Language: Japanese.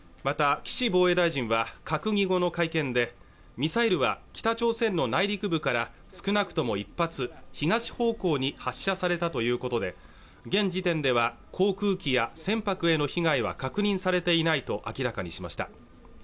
また岸防衛大臣は閣議後の会見でミサイルは北朝鮮の内陸部から少なくとも一発、東方向に発射されたということで現時点では航空機や船舶への被害は確認されていないと明らかにしました